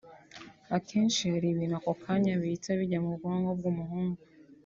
akenshi hari ibintu ako kanya bihita bijya mu bwonko bw’umuhungu